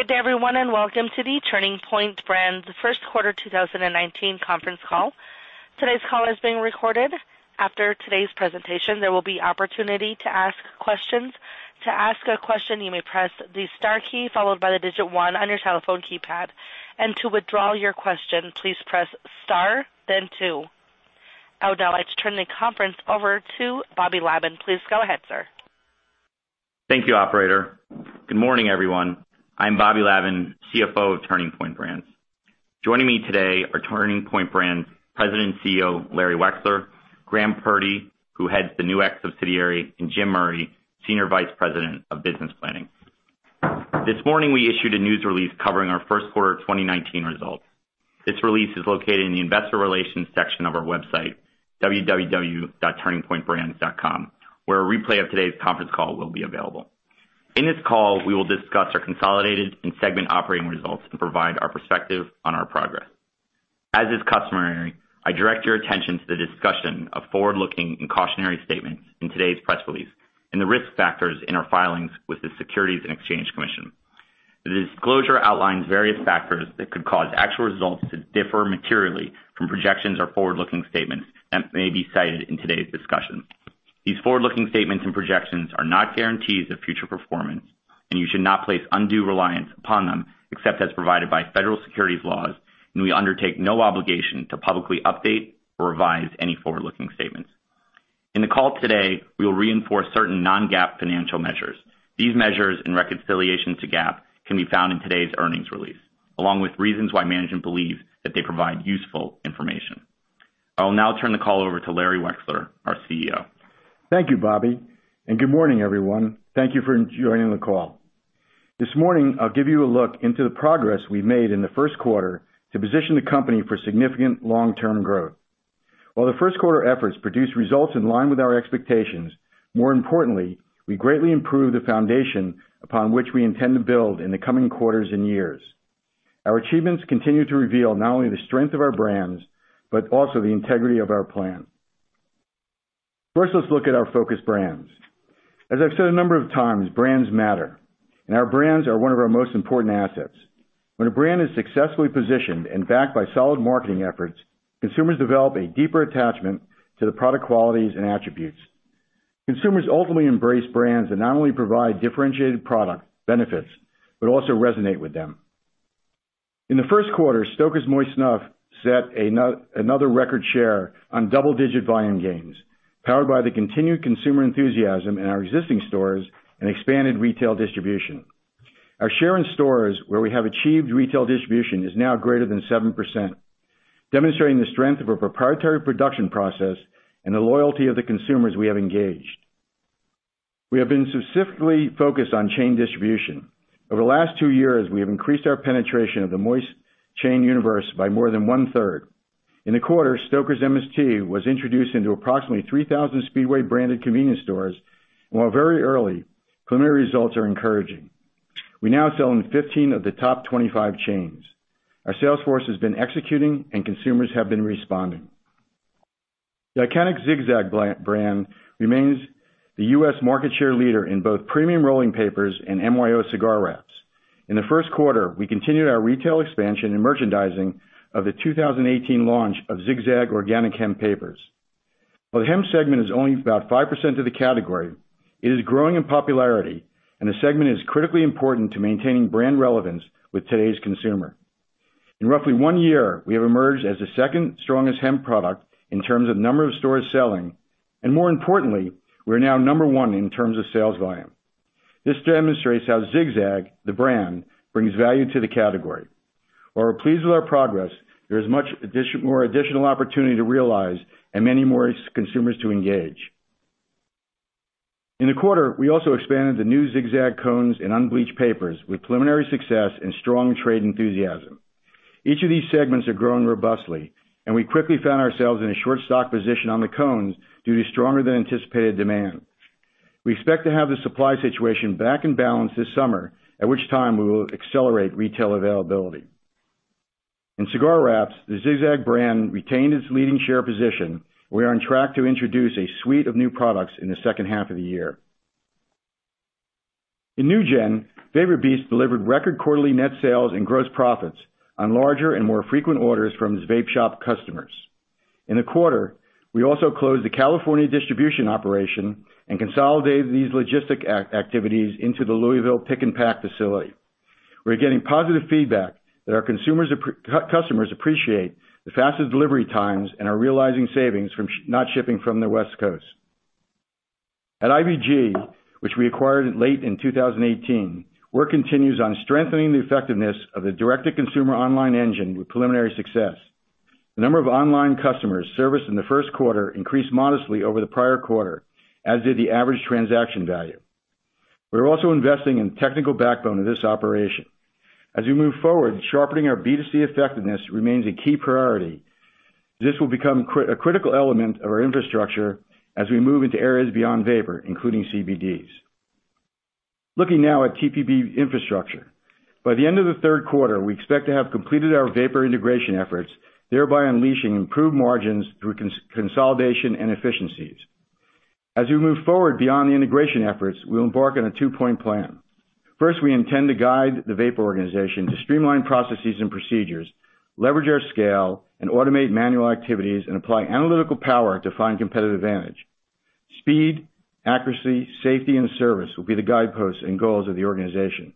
Good day everyone. Welcome to the Turning Point Brands first quarter 2019 conference call. Today's call is being recorded. After today's presentation, there will be opportunity to ask questions. To ask a question, you may press the star key followed by the digit 1 on your telephone keypad. To withdraw your question, please press star then 2. I would now like to turn the conference over to Robert Lavan. Please go ahead, sir. Thank you, operator. Good morning, everyone. I'm Robert Lavan, CFO of Turning Point Brands. Joining me today are Turning Point Brands President and CEO, Larry Wexler, Graham Purdy, who heads the Nu-X subsidiary, and Jim Murray, Senior Vice President of Business Planning. This morning, we issued a news release covering our first quarter 2019 results. This release is located in the investor relations section of our website, www.turningpointbrands.com, where a replay of today's conference call will be available. In this call, we will discuss our consolidated and segment operating results and provide our perspective on our progress. As is customary, I direct your attention to the discussion of forward-looking and cautionary statements in today's press release and the risk factors in our filings with the Securities and Exchange Commission. The disclosure outlines various factors that could cause actual results to differ materially from projections or forward-looking statements that may be cited in today's discussion. These forward-looking statements and projections are not guarantees of future performance. You should not place undue reliance upon them except as provided by federal securities laws. We undertake no obligation to publicly update or revise any forward-looking statements. In the call today, we'll reinforce certain non-GAAP financial measures. These measures and reconciliation to GAAP can be found in today's earnings release, along with reasons why management believes that they provide useful information. I will now turn the call over to Larry Wexler, our CEO. Thank you, Bobby. Good morning, everyone. Thank you for joining the call. This morning, I'll give you a look into the progress we've made in the first quarter to position the company for significant long-term growth. While the first quarter efforts produced results in line with our expectations, more importantly, we greatly improved the foundation upon which we intend to build in the coming quarters and years. Our achievements continue to reveal not only the strength of our brands, but also the integrity of our plan. First, let's look at our focus brands. As I've said a number of times, brands matter. Our brands are one of our most important assets. When a brand is successfully positioned and backed by solid marketing efforts, consumers develop a deeper attachment to the product qualities and attributes. Consumers ultimately embrace brands that not only provide differentiated product benefits but also resonate with them. In the first quarter, Stoker's Moist Snuff set another record share on double-digit volume gains, powered by the continued consumer enthusiasm in our existing stores and expanded retail distribution. Our share in stores where we have achieved retail distribution is now greater than 7%, demonstrating the strength of our proprietary production process and the loyalty of the consumers we have engaged. We have been specifically focused on chain distribution. Over the last 2 years, we have increased our penetration of the moist chain universe by more than one-third. In the quarter, Stoker's MST was introduced into approximately 3,000 Speedway-branded convenience stores. While very early, preliminary results are encouraging. We now sell in 15 of the top 25 chains. Our sales force has been executing, and consumers have been responding. The iconic Zig-Zag brand remains the U.S. market share leader in both premium rolling papers and MYO cigar wraps. In the first quarter, we continued our retail expansion and merchandising of the 2018 launch of Zig-Zag Organic Hemp Papers. While the hemp segment is only about 5% of the category, it is growing in popularity, and the segment is critically important to maintaining brand relevance with today's consumer. In roughly one year, we have emerged as the second strongest hemp product in terms of number of stores selling, and more importantly, we're now number one in terms of sales volume. This demonstrates how Zig-Zag, the brand, brings value to the category. While we're pleased with our progress, there is much more additional opportunity to realize and many more consumers to engage. In the quarter, we also expanded the new Zig-Zag cones and unbleached papers with preliminary success and strong trade enthusiasm. Each of these segments are growing robustly, and we quickly found ourselves in a short stock position on the cones due to stronger than anticipated demand. We expect to have the supply situation back in balance this summer, at which time we will accelerate retail availability. In cigar wraps, the Zig-Zag brand retained its leading share position. We are on track to introduce a suite of new products in the second half of the year. In NewGen, VaporBeast delivered record quarterly net sales and gross profits on larger and more frequent orders from its vape shop customers. In the quarter, we also closed the California distribution operation and consolidated these logistic activities into the Louisville pick and pack facility. We're getting positive feedback that our customers appreciate the faster delivery times and are realizing savings from not shipping from the West Coast. At IBG, which we acquired late in 2018, work continues on strengthening the effectiveness of the direct-to-consumer online engine with preliminary success. The number of online customers serviced in the first quarter increased modestly over the prior quarter, as did the average transaction value. We're also investing in the technical backbone of this operation. As we move forward, sharpening our B2C effectiveness remains a key priority. This will become a critical element of our infrastructure as we move into areas beyond vapor, including CBD. Looking now at TPB infrastructure. By the end of the third quarter, we expect to have completed our vapor integration efforts, thereby unleashing improved margins through consolidation and efficiencies. As we move forward beyond the integration efforts, we'll embark on a 2-point plan. First, we intend to guide the vapor organization to streamline processes and procedures, leverage our scale, automate manual activities and apply analytical power to find competitive advantage. Speed, accuracy, safety, and service will be the guideposts and goals of the organization.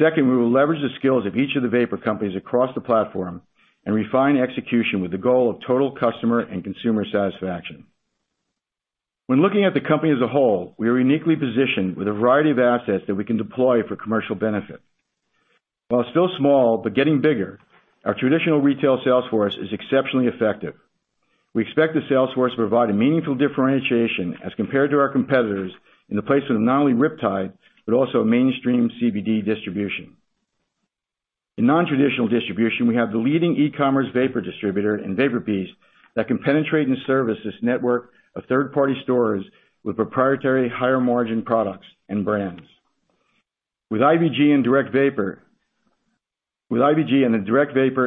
Second, we will leverage the skills of each of the vapor companies across the platform and refine execution with the goal of total customer and consumer satisfaction. When looking at the company as a whole, we are uniquely positioned with a variety of assets that we can deploy for commercial benefit. While still small but getting bigger, our traditional retail sales force is exceptionally effective. We expect the sales force to provide a meaningful differentiation as compared to our competitors in the placement of not only RipTide, but also mainstream CBD distribution. In non-traditional distribution, we have the leading e-commerce vapor distributor in VaporBeast that can penetrate and service this network of third-party stores with proprietary higher margin products and brands. With IBG and DirectVapor,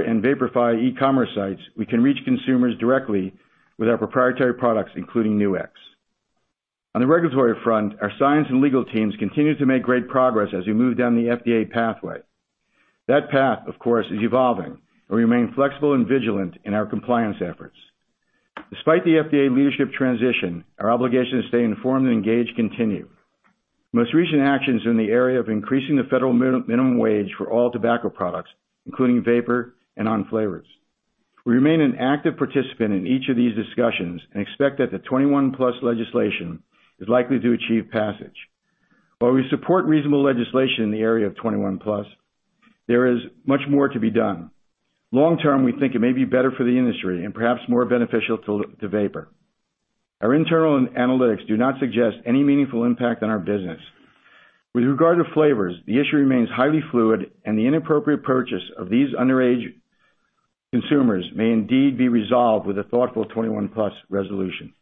and VaporFi e-commerce sites, we can reach consumers directly with our proprietary products, including Nu-X. On the regulatory front, our science and legal teams continue to make great progress as we move down the FDA pathway. That path, of course, is evolving. We remain flexible and vigilant in our compliance efforts. Despite the FDA leadership transition, our obligation to stay informed and engaged continue. Most recent actions are in the area of increasing the federal minimum wage for all tobacco products, including vapor and non-flavors. We remain an active participant in each of these discussions and expect that the 21+ legislation is likely to achieve passage. While we support reasonable legislation in the area of 21+, there is much more to be done. Long-term, we think it may be better for the industry and perhaps more beneficial to vapor. Our internal analytics do not suggest any meaningful impact on our business. With regard to flavors, the issue remains highly fluid. The inappropriate purchase of these underage consumers may indeed be resolved with a thoughtful 21+ resolution.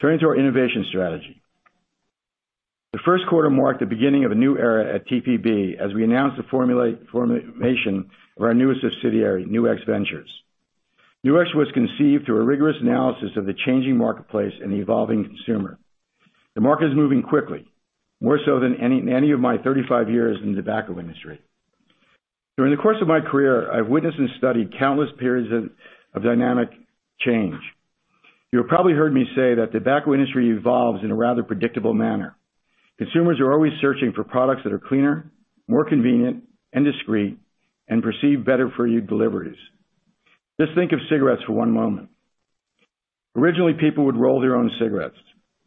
Turning to our innovation strategy. The first quarter marked the beginning of a new era at TPB as we announced the formation of our newest subsidiary, Nu-X Ventures. Nu-X was conceived through a rigorous analysis of the changing marketplace and the evolving consumer. The market is moving quickly, more so than any of my 35 years in the tobacco industry. During the course of my career, I've witnessed and studied countless periods of dynamic change. You have probably heard me say that the tobacco industry evolves in a rather predictable manner. Consumers are always searching for products that are cleaner, more convenient, and discreet, and perceive better for you deliveries. Just think of cigarettes for one moment. Originally, people would roll their own cigarettes.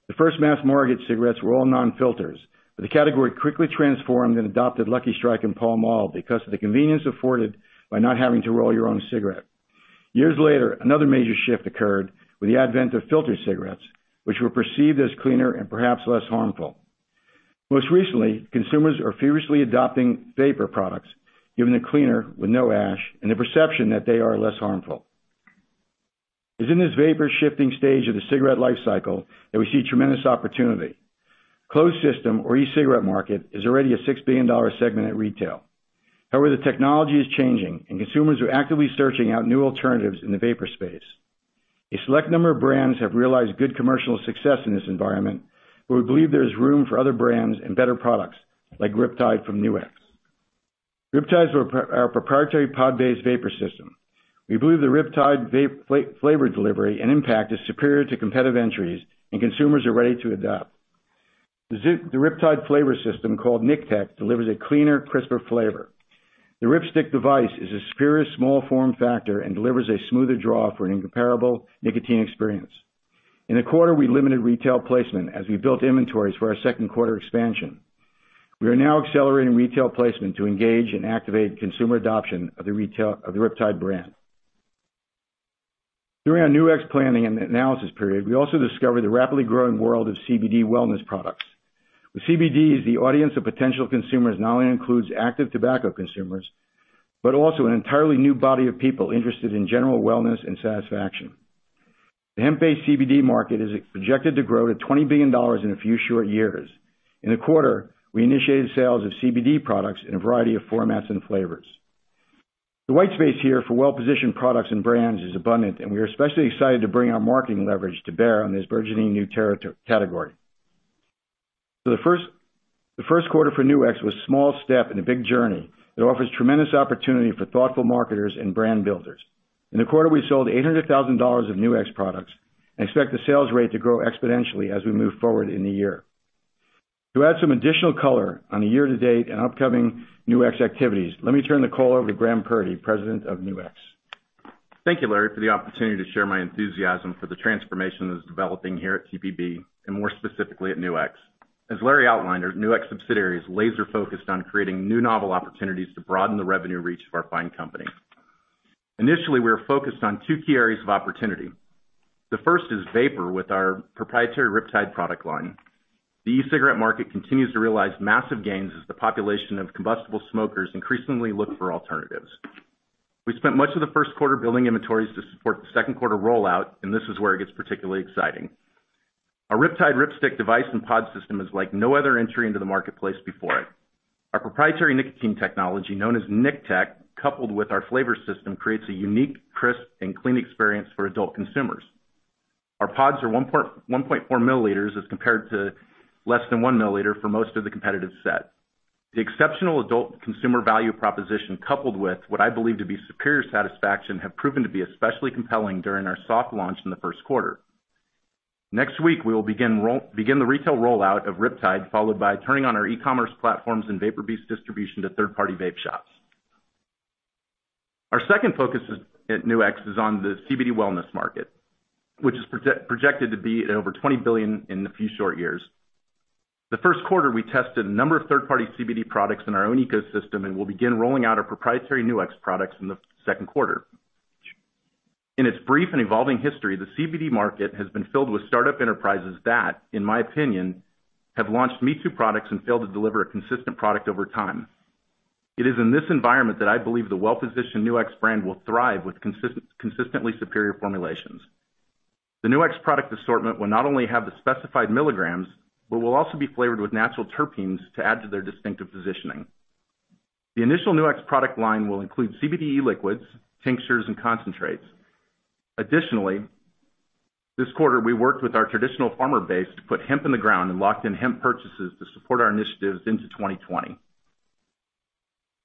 The first mass-market cigarettes were all non-filters. The category quickly transformed and adopted Lucky Strike and Pall Mall because of the convenience afforded by not having to roll your own cigarette. Years later, another major shift occurred with the advent of filter cigarettes, which were perceived as cleaner and perhaps less harmful. Most recently, consumers are furiously adopting vapor products, given they're cleaner with no ash and the perception that they are less harmful. It's in this vapor shifting stage of the cigarette life cycle that we see tremendous opportunity. Closed system or e-cigarette market is already a $6 billion segment at retail. However, the technology is changing, and consumers are actively searching out new alternatives in the vapor space. A select number of brands have realized good commercial success in this environment. We believe there is room for other brands and better products like RipTide from NuX. RipTide's our proprietary pod-based vapor system. We believe the RipTide flavor delivery and impact is superior to competitive entries, and consumers are ready to adopt. The RipTide flavor system, called NicTech, delivers a cleaner, crisper flavor. The Rip Stick device is a superior small form factor and delivers a smoother draw for an incomparable nicotine experience. In the quarter, we limited retail placement as we built inventories for our second quarter expansion. We are now accelerating retail placement to engage and activate consumer adoption of the RipTide brand. During our NuX planning and analysis period, we also discovered the rapidly growing world of CBD wellness products. With CBD as the audience of potential consumers not only includes active tobacco consumers, but also an entirely new body of people interested in general wellness and satisfaction. The hemp-based CBD market is projected to grow to $20 billion in a few short years. In the quarter, we initiated sales of CBD products in a variety of formats and flavors. The white space here for well-positioned products and brands is abundant, and we are especially excited to bring our marketing leverage to bear on this burgeoning new category. The first quarter for NuX was a small step in a big journey that offers tremendous opportunity for thoughtful marketers and brand builders. In the quarter, we sold $800,000 of NuX products and expect the sales rate to grow exponentially as we move forward in the year. To add some additional color on the year to date and upcoming NuX activities, let me turn the call over to Graham Purdy, President of NuX. Thank you, Larry, for the opportunity to share my enthusiasm for the transformation that is developing here at TPB, and more specifically at NuX. As Larry outlined, NuX subsidiary is laser-focused on creating new novel opportunities to broaden the revenue reach of our fine company. Initially, we are focused on two key areas of opportunity. The first is vapor with our proprietary RipTide product line. The e-cigarette market continues to realize massive gains as the population of combustible smokers increasingly look for alternatives. We spent much of the first quarter building inventories to support the second quarter rollout, and this is where it gets particularly exciting. Our RipTide Rip Stick device and pod system is like no other entry into the marketplace before it. Our proprietary nicotine technology, known as NicTech, coupled with our flavor system, creates a unique, crisp and clean experience for adult consumers. Our pods are 1.4 milliliters as compared to less than one milliliter for most of the competitive set. The exceptional adult consumer value proposition, coupled with what I believe to be superior satisfaction, have proven to be especially compelling during our soft launch in the first quarter. Next week, we will begin the retail rollout of RipTide, followed by turning on our e-commerce platforms and VaporBeast distribution to third-party vape shops. Our second focus at Nu-X is on the CBD wellness market, which is projected to be at over $20 billion in a few short years. In the first quarter, we tested a number of third-party CBD products in our own ecosystem, and we will begin rolling out our proprietary Nu-X products in the second quarter. In its brief and evolving history, the CBD market has been filled with startup enterprises that, in my opinion, have launched me-too products and failed to deliver a consistent product over time. It is in this environment that I believe the well-positioned Nu-X brand will thrive with consistently superior formulations. The Nu-X product assortment will not only have the specified milligrams, but will also be flavored with natural terpenes to add to their distinctive positioning. The initial Nu-X product line will include CBD e-liquids, tinctures and concentrates. Additionally, this quarter, we worked with our traditional farmer base to put hemp in the ground and locked in hemp purchases to support our initiatives into 2020.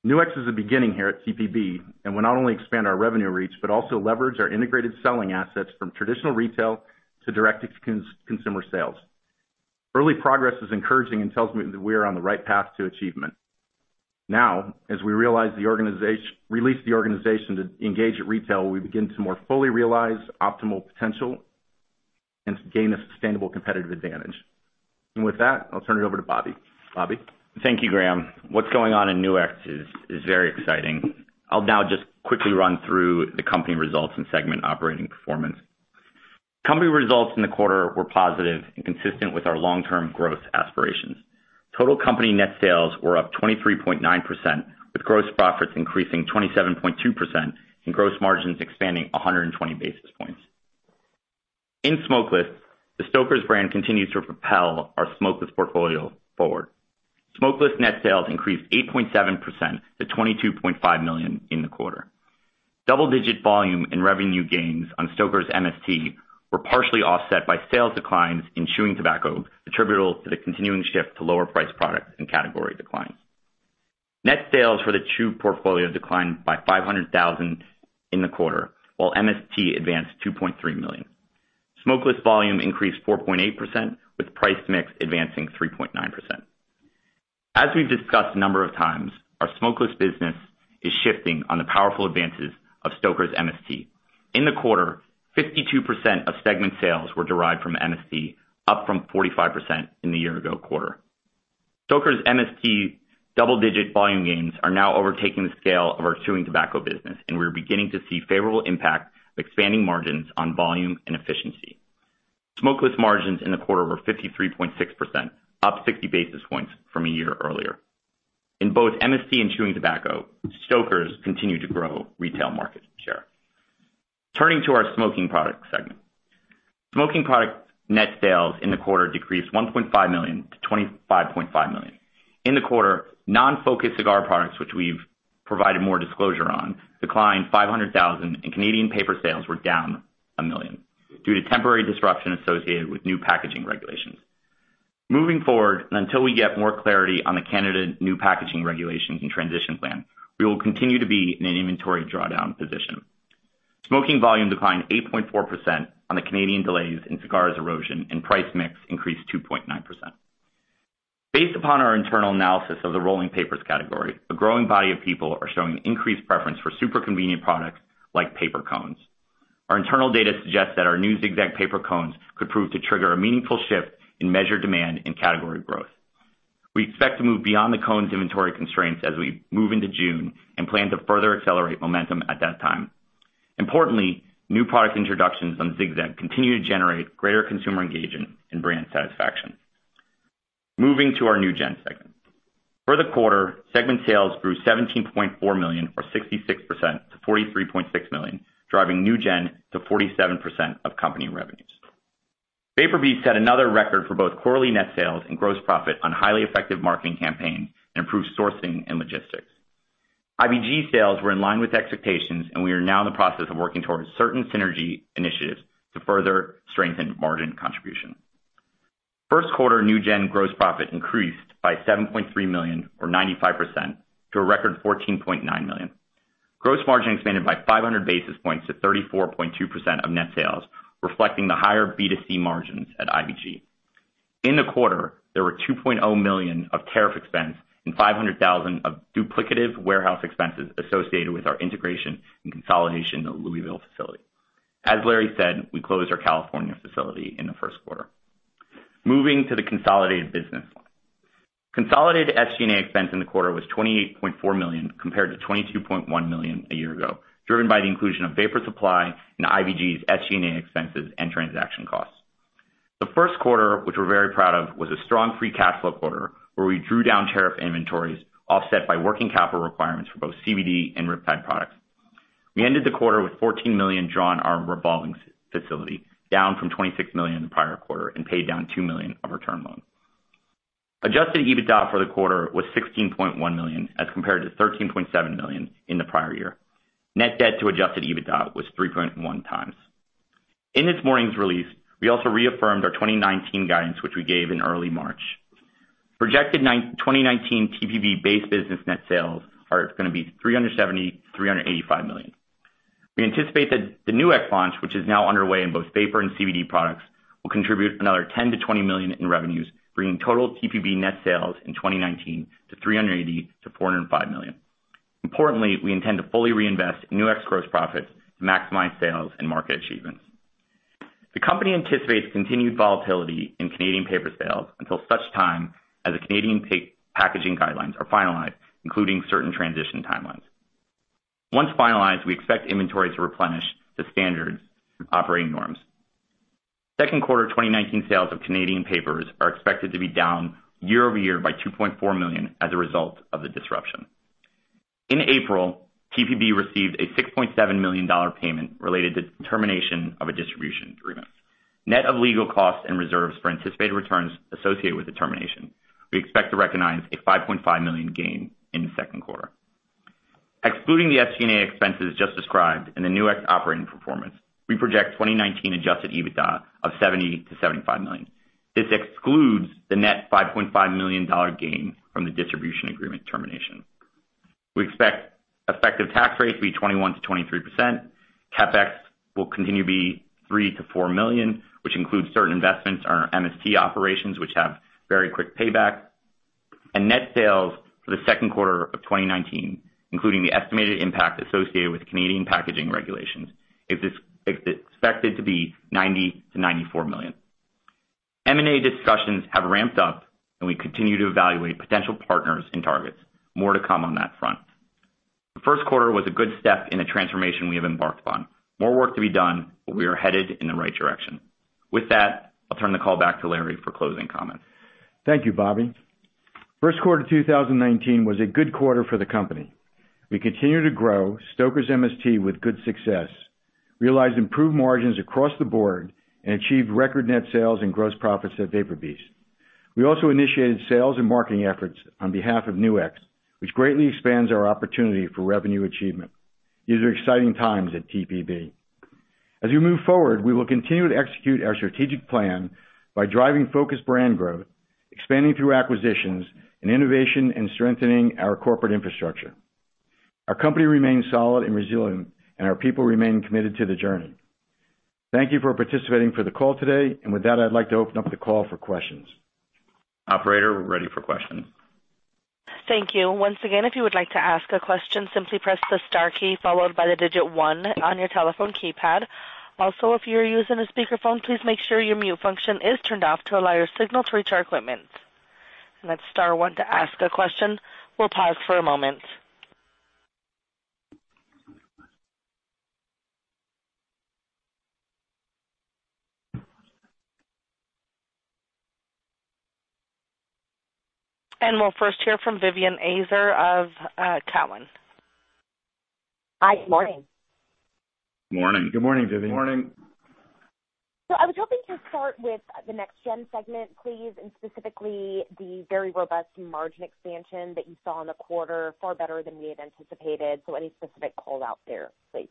Nu-X is a beginning here at TPB and will not only expand our revenue reach, but also leverage our integrated selling assets from traditional retail to direct consumer sales. Early progress is encouraging and tells me that we are on the right path to achievement. As we release the organization to engage at retail, we begin to more fully realize optimal potential and gain a sustainable competitive advantage. With that, I will turn it over to Bobby. Bobby? Thank you, Graham. What is going on in Nu-X is very exciting. I will now just quickly run through the company results and segment operating performance. Company results in the quarter were positive and consistent with our long-term growth aspirations. Total company net sales were up 23.9%, with gross profits increasing 27.2% and gross margins expanding 120 basis points. In smokeless, the Stoker's brand continues to propel our smokeless portfolio forward. Smokeless net sales increased 8.7% to $22.5 million in the quarter. Double-digit volume and revenue gains on Stoker's MST were partially offset by sales declines in chewing tobacco, attributable to the continuing shift to lower priced products and category declines. Net sales for the chew portfolio declined by $500,000 in the quarter, while MST advanced to $2.3 million. Smokeless volume increased 4.8%, with price mix advancing 3.9%. As we've discussed a number of times, our smokeless business is shifting on the powerful advances of Stoker's MST. In the quarter, 52% of segment sales were derived from MST, up from 45% in the year-ago quarter. Stoker's MST double-digit volume gains are now overtaking the scale of our chewing tobacco business, and we are beginning to see favorable impact of expanding margins on volume and efficiency. Smokeless margins in the quarter were 53.6%, up 60 basis points from a year earlier. In both MST and chewing tobacco, Stoker's continue to grow retail market share. Turning to our smoking product segment. Smoking product net sales in the quarter decreased $1.5 million to $25.5 million. In the quarter, non-focused cigar products, which we've provided more disclosure on, declined $500,000, and Canadian paper sales were down $1 million, due to temporary disruption associated with new packaging regulations. Moving forward, and until we get more clarity on the Canada new packaging regulations and transition plan, we will continue to be in an inventory drawdown position. Smoking volume declined 8.4% on the Canadian delays and cigars erosion and price mix increased 2.9%. Based upon our internal analysis of the rolling papers category, a growing body of people are showing increased preference for super convenient products like paper cones. Our internal data suggests that our new Zig-Zag paper cones could prove to trigger a meaningful shift in measured demand and category growth. We expect to move beyond the cones inventory constraints as we move into June and plan to further accelerate momentum at that time. Importantly, new product introductions from Zig-Zag continue to generate greater consumer engagement and brand satisfaction. Moving to our NewGen segment. For the quarter, segment sales grew $17.4 million or 66% to $43.6 million, driving NewGen to 47% of company revenues. VaporBeast set another record for both quarterly net sales and gross profit on highly effective marketing campaign and improved sourcing and logistics. IBG sales were in line with expectations, and we are now in the process of working towards certain synergy initiatives to further strengthen margin contribution. First quarter NewGen gross profit increased by $7.3 million or 95% to a record $14.9 million. Gross margin expanded by 500 basis points to 34.2% of net sales, reflecting the higher B2C margins at IBG. In the quarter, there were $2.0 million of tariff expense and $500,000 of duplicative warehouse expenses associated with our integration and consolidation of the Louisville facility. As Larry said, we closed our California facility in the first quarter. Moving to the consolidated business. Consolidated SG&A expense in the quarter was $28.4 million, compared to $22.1 million a year ago, driven by the inclusion of Vapor Supply and IBG's SG&A expenses and transaction costs. The first quarter, which we're very proud of, was a strong free cash flow quarter, where we drew down tariff inventories offset by working capital requirements for both CBD and RipTide products. We ended the quarter with $14 million drawn on our revolving facility, down from $26 million in the prior quarter, and paid down $2 million of our term loan. Adjusted EBITDA for the quarter was $16.1 million as compared to $13.7 million in the prior year. Net debt to adjusted EBITDA was 3.1 times. In this morning's release, we also reaffirmed our 2019 guidance, which we gave in early March. Projected 2019 TPB base business net sales are going to be $370 million to $385 million. We anticipate that the NuX launch, which is now underway in both vapor and CBD products, will contribute another $10 million to $20 million in revenues, bringing total TPB net sales in 2019 to $380 million to $405 million. Importantly, we intend to fully reinvest NuX gross profits to maximize sales and market achievements. The company anticipates continued volatility in Canadian paper sales until such time as the Canadian packaging guidelines are finalized, including certain transition timelines. Once finalized, we expect inventory to replenish to standard operating norms. Second quarter 2019 sales of Canadian papers are expected to be down year-over-year by $2.4 million as a result of the disruption. In April, TPB received a $6.7 million payment related to the termination of a distribution agreement. Net of legal costs and reserves for anticipated returns associated with the termination, we expect to recognize a $5.5 million gain in the second quarter. Excluding the SG&A expenses just described and the NuX operating performance, we project 2019 adjusted EBITDA of $70 million to $75 million. This excludes the net $5.5 million gain from the distribution agreement termination. We expect effective tax rates to be 21%-23%. CapEx will continue to be $3 million to $4 million, which includes certain investments in our MST operations, which have very quick payback. Net sales for the second quarter of 2019, including the estimated impact associated with Canadian packaging regulations, is expected to be $90 million to $94 million. M&A discussions have ramped up, and we continue to evaluate potential partners and targets. More to come on that front. The first quarter was a good step in the transformation we have embarked upon. More work to be done, we are headed in the right direction. With that, I'll turn the call back to Larry for closing comments. Thank you, Bobby. First quarter 2019 was a good quarter for the company. We continue to grow Stoker's MST with good success, realized improved margins across the board, and achieved record net sales and gross profits at VaporBeast. We also initiated sales and marketing efforts on behalf of Nu-X, which greatly expands our opportunity for revenue achievement. These are exciting times at TPB. As we move forward, we will continue to execute our strategic plan by driving focused brand growth, expanding through acquisitions, and innovation and strengthening our corporate infrastructure. Our company remains solid and resilient, and our people remain committed to the journey. Thank you for participating for the call today. With that, I'd like to open up the call for questions. Operator, we're ready for questions. Thank you. Once again, if you would like to ask a question, simply press the star key followed by the digit one on your telephone keypad. Also, if you're using a speakerphone, please make sure your mute function is turned off to allow your signal to reach our equipment. That's star one to ask a question. We'll pause for a moment. We'll first hear from Vivien Azer of Cowen. Hi, morning. Morning. Good morning, Vivien. Morning. I was hoping to start with the NewGen segment, please, and specifically the very robust margin expansion that you saw in the quarter, far better than we had anticipated. Any specific call-out there, please?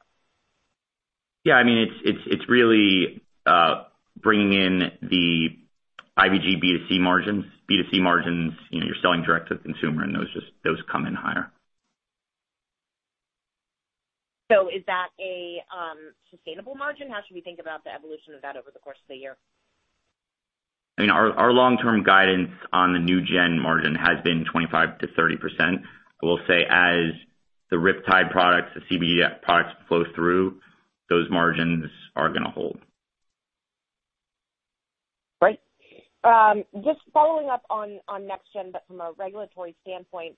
It's really bringing in the International Vapor Group B2C margins. B2C margins, you're selling direct to the consumer, and those come in higher. Is that a sustainable margin? How should we think about the evolution of that over the course of the year? Our long-term guidance on the NewGen margin has been 25%-30%, but we'll say as the RipTide products, the CBD products flow through, those margins are going to hold. Great. Just following up on NewGen, from a regulatory standpoint,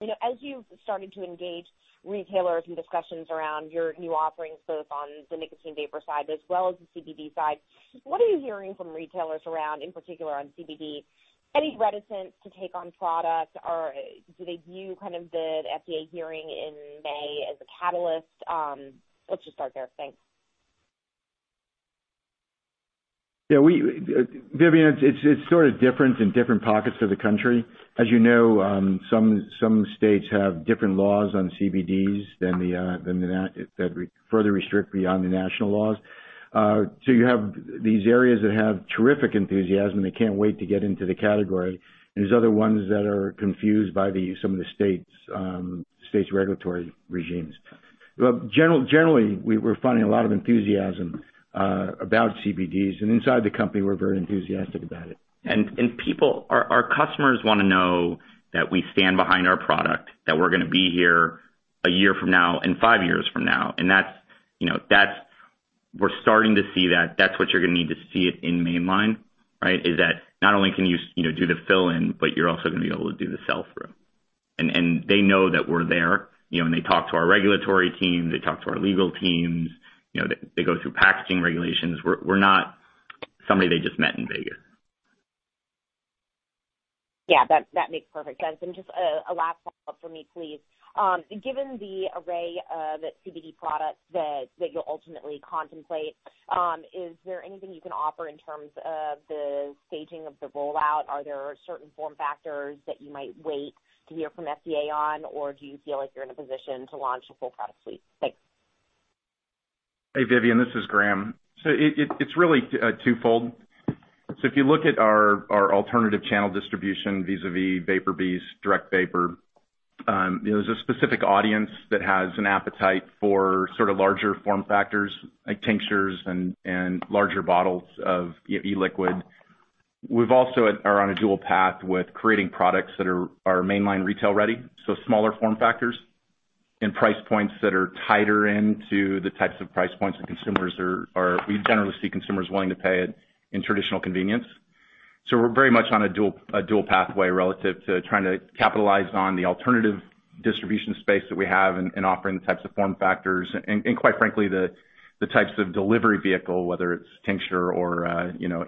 as you've started to engage retailers in discussions around your new offerings, both on the nicotine vapor side as well as the CBD side, what are you hearing from retailers around, in particular on CBD? Any reticence to take on product, or do they view kind of the FDA hearing in May as a catalyst? Let's just start there. Thanks. Vivien, it's sort of different in different pockets of the country. As you know, some states have different laws on CBDs that further restrict beyond the national laws. You have these areas that have terrific enthusiasm, and they can't wait to get into the category. There's other ones that are confused by some of the state's regulatory regimes. Generally, we're finding a lot of enthusiasm about CBDs, and inside the company, we're very enthusiastic about it. Our customers want to know that we stand behind our product, that we're going to be here a year from now and five years from now. We're starting to see that. That's what you're going to need to see it in mainline, right? Is that not only can you do the fill-in, but you're also going to be able to do the sell-through. They know that we're there. When they talk to our regulatory team, they talk to our legal teams. They go through packaging regulations. We're not somebody they just met in Vegas. Yeah, that makes perfect sense. Just a last follow-up from me, please. Given the array of CBD products that you'll ultimately contemplate, is there anything you can offer in terms of the staging of the rollout? Are there certain form factors that you might wait to hear from FDA on, or do you feel like you're in a position to launch a full product suite? Thanks. Hey, Vivien, this is Graham. It's really twofold. If you look at our alternative channel distribution, vis-a-vis VaporBeast, DirectVapor, there's a specific audience that has an appetite for sort of larger form factors like tinctures and larger bottles of e-liquid. We've also are on a dual path with creating products that are mainline retail-ready, so smaller form factors and price points that are tighter into the types of price points that we generally see consumers willing to pay in traditional convenience. We're very much on a dual pathway relative to trying to capitalize on the alternative distribution space that we have and offering the types of form factors and, quite frankly, the types of delivery vehicle, whether it's tincture or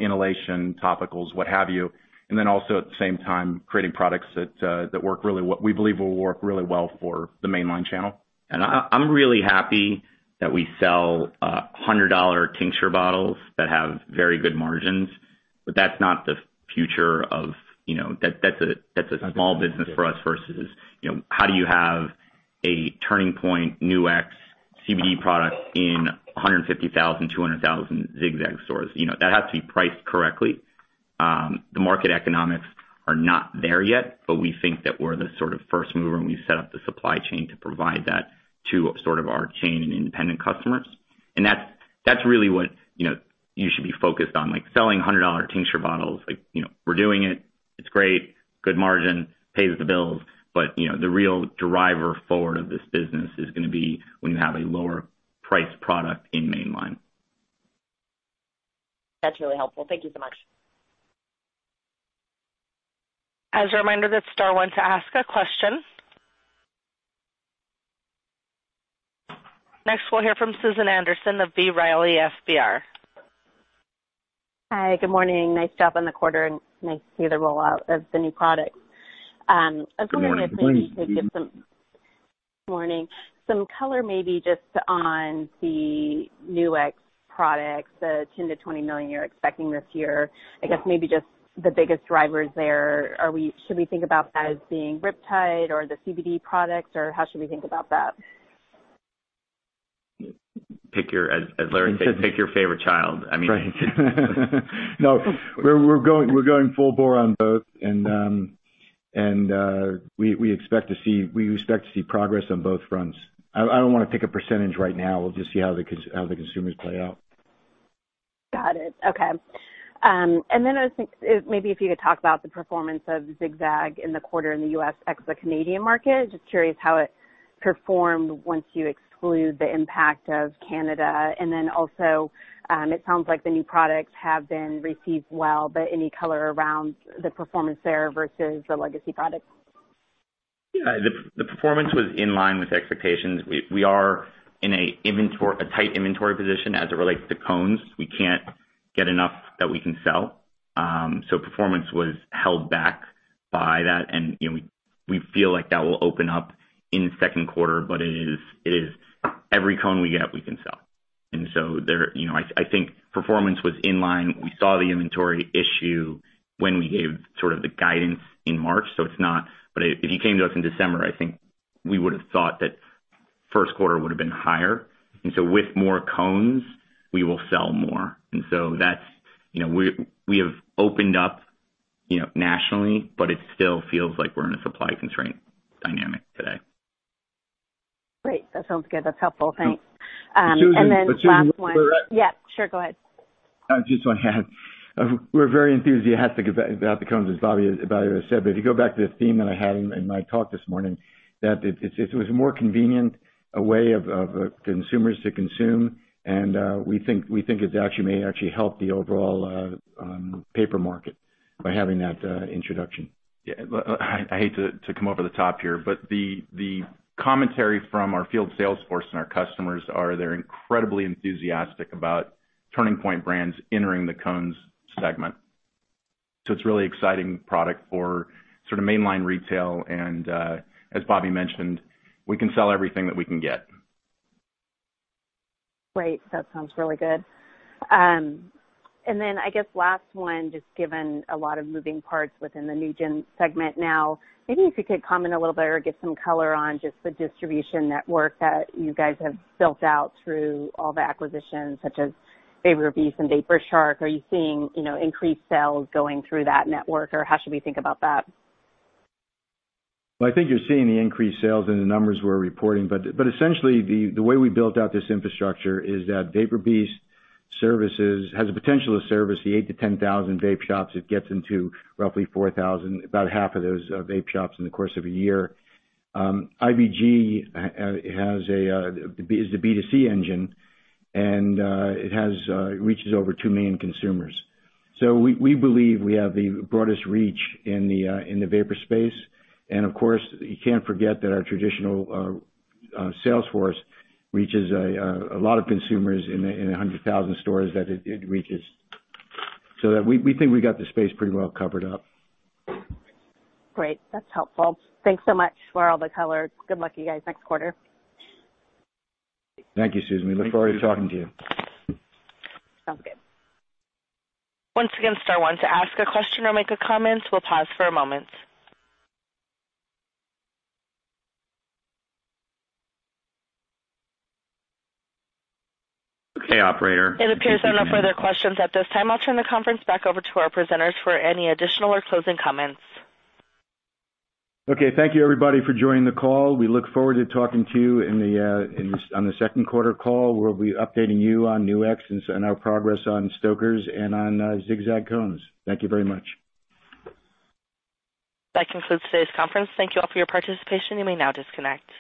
inhalation, topicals, what have you. At the same time, creating products that we believe will work really well for the mainline channel. I'm really happy that we sell $100 tincture bottles that have very good margins, but that's not the future. That's a small business for us versus how do you have a Turning Point NuX CBD product in 150,000, 200,000 Zig-Zag stores. That has to be priced correctly. The market economics are not there yet. We think that we're the sort of first mover, and we've set up the supply chain to provide that to sort of our chain and independent customers. That's really what you should be focused on. Like selling $100 tincture bottles, we're doing it. It's great. Good margin, pays the bills. The real driver forward of this business is going to be when you have a lower priced product in mainline. That's really helpful. Thank you so much. As a reminder, that's star one to ask a question. Next, we'll hear from Susan Anderson of B. Riley FBR. Hi. Good morning. Nice job on the quarter, nice to see the rollout of the new products. Good morning. I was wondering if maybe you could give some color maybe just on the Nu-X products, the $10 million-$20 million you're expecting this year. I guess maybe just the biggest drivers there. Should we think about that as being RipTide or the CBD products, or how should we think about that? As Larry said, pick your favorite child. I mean No, we're going full bore on both, and we expect to see progress on both fronts. I don't want to pick a percentage right now. We'll just see how the consumers play out. Got it. Okay. I was thinking maybe if you could talk about the performance of Zig-Zag in the quarter in the U.S., ex the Canadian market. Just curious how it performed once you exclude the impact of Canada. It sounds like the new products have been received well, any color around the performance there versus the legacy products? Yeah. The performance was in line with expectations. We are in a tight inventory position as it relates to cones. We can't get enough that we can sell. Performance was held back by that, and we feel like that will open up in the second quarter. Every cone we get, we can sell. I think performance was in line. We saw the inventory issue when we gave sort of the guidance in March. If you came to us in December, I think we would've thought that first quarter would've been higher. With more cones, we will sell more. We have opened up nationally, but it still feels like we're in a supply constraint dynamic today. Great. That sounds good. That's helpful. Thanks. Susan- Last one. Susan, before I- Yeah, sure. Go ahead. We're very enthusiastic about the cones, as Bobby said. If you go back to the theme that I had in my talk this morning, that it was a more convenient way of consumers to consume, and we think it may actually help the overall paper market by having that introduction. Yeah. The commentary from our field sales force and our customers are, they're incredibly enthusiastic about Turning Point Brands entering the cones segment. It's a really exciting product for sort of mainline retail, and, as Bobby mentioned, we can sell everything that we can get. Great. That sounds really good. I guess last one, just given a lot of moving parts within the NewGen segment now, maybe if you could comment a little bit or give some color on just the distribution network that you guys have built out through all the acquisitions, such as VaporBeast and Vapor Shark. Are you seeing increased sales going through that network, or how should we think about that? Well, I think you're seeing the increased sales in the numbers we're reporting. Essentially, the way we built out this infrastructure is that VaporBeast has the potential to service the 8,000 to 10,000 vape shops. It gets into roughly 4,000, about half of those vape shops in the course of a year. IVG is the B2C engine, it reaches over 2 million consumers. We believe we have the broadest reach in the vapor space, of course, you can't forget that our traditional sales force reaches a lot of consumers in 100,000 stores that it reaches. We think we got the space pretty well covered up. Great. That's helpful. Thanks so much for all the color. Good luck to you guys next quarter. Thank you, Susan. We look forward to talking to you. Sounds good. Once again, star one to ask a question or make a comment. We'll pause for a moment. Okay, operator. It appears there are no further questions at this time. I'll turn the conference back over to our presenters for any additional or closing comments. Okay. Thank you everybody for joining the call. We look forward to talking to you on the second quarter call. We'll be updating you on Nu-X and our progress on Stoker's and on Zig-Zag cones. Thank you very much. That concludes today's conference. Thank you all for your participation. You may now disconnect.